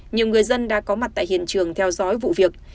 nhiều người dân đã có mặt tại hiện trường theo dõi vụ việc